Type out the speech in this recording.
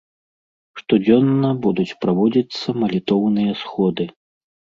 Штодзённа будуць праводзіцца малітоўныя сходы.